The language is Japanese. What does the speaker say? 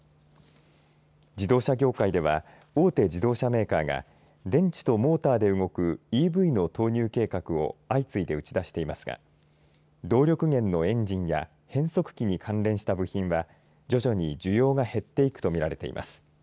自動車業界では大手自動車メーカーが電池とモーターで動くＥＶの投入計画を相次いで打ち出していますが動力源のエンジンや変速機に関連した部品は徐々に需要が減っていくと見られています。